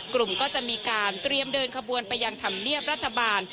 กลุ่มก็จะมีการเตรียมเดินขบวนไปยังธรรมเนียบรัฐบาล